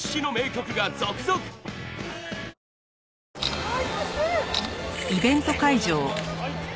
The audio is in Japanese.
はい。